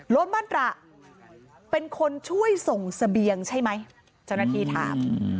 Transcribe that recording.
มาตระเป็นคนช่วยส่งเสบียงใช่ไหมเจ้าหน้าที่ถาม